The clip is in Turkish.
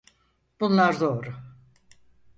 Bunlar doğru.